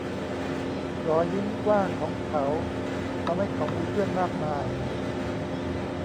รอยยิ้มกว้างของเขาทำให้เขามีเพื่อนมากมาย